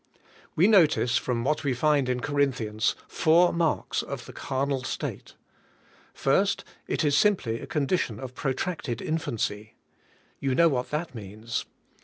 We notice from what we find in Corinthians, four marks of the carnal state. First; It is simplj^ a con dition of protracted infancy. You know what that means.